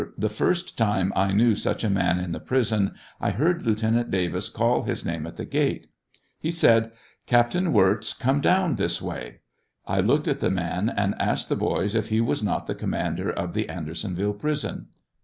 The first time I knew such a man in the prison I heard Lieutenant Davis call his name at the gate. He said, " Captain Wirz _como down this way." I looked at the man and asked the boys if he was not the commander of the Andersonville prison.